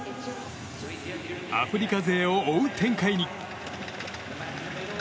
アフリカ勢を追う展開に。